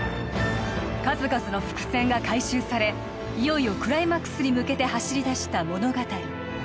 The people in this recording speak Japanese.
数々の伏線が回収されいよいよクライマックスに向けて走りだした物語